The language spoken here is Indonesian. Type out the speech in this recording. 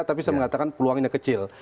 tapi saya mengatakan peluangnya kecil